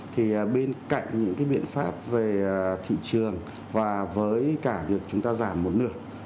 thì bên cạnh những cái biện pháp về thị trường và với cả việc chúng ta giảm một nửa